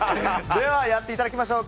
ではやっていただきましょう。